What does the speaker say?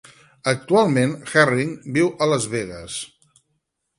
Actualment Herring viu a Las Vegas.